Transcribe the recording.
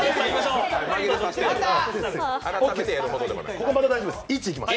ここまだ大丈夫です